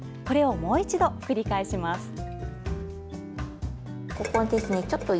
これをもう一度繰り返します。